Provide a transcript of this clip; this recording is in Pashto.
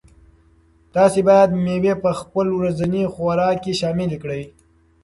تاسو باید مېوې په خپل ورځني خوراک کې شاملې کړئ.